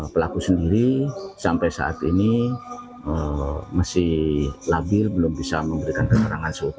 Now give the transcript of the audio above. pelaku sendiri sampai saat ini masih labil belum bisa memberikan keterangan